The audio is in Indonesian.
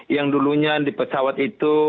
yang dulunya di pesawat itu